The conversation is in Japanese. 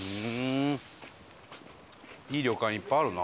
いい旅館いっぱいあるな。